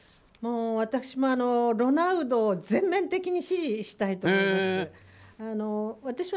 私もロナウドを全面的に支持したいと思います。